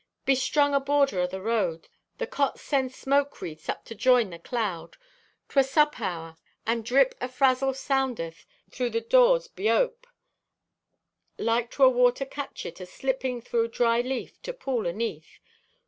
"Bestrung, aborder o' the road, the cots send smoke wreathes up to join the cloud. 'Twere sup hour, and drip afrazzle soundeth thro' the doors beope, like to a water cachit aslipping thro' dry leaf to pool aneath.